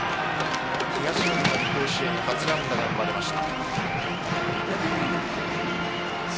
東恩納に甲子園初安打が生まれました。